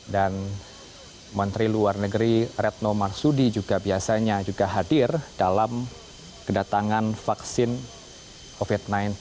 dan menteri luar negeri retno marsudi juga biasanya juga hadir dalam kedatangan vaksin covid sembilan belas